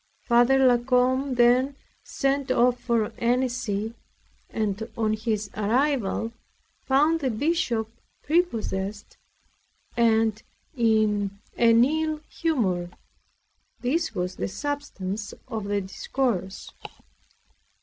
Father La Combe then set off for Annecy, and on his arrival found the Bishop prepossessed, and in an ill humor. This was the substance of the discourse.